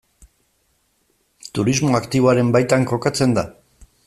Turismo aktiboaren baitan kokatzen da?